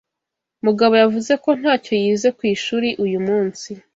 Mugabo yavuze ko ntacyo yize ku ishuri uyu munsi.